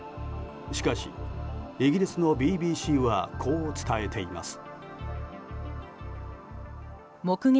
しかし、イギリスのＢＢＣはこう伝えています。